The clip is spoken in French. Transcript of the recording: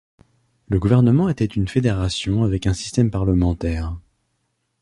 Le gouvernement était une fédération avec un système parlementaire.